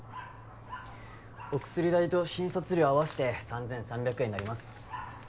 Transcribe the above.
お薬代と診察料合わせて３３００円になります